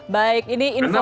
baik ini informasi